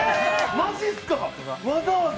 マジッすか、わざわざ！